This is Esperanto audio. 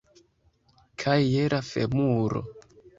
Kaj je la femuro.